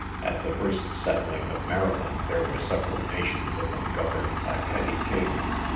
At the first settling of Maryland, there were several nations of them governed by petty kings.